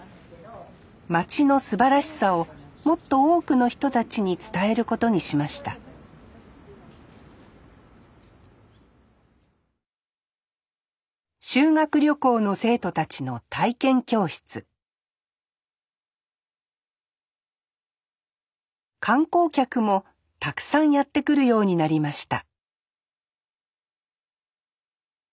町のすばらしさをもっと多くの人たちに伝えることにしました修学旅行の生徒たちの体験教室観光客もたくさんやって来るようになりました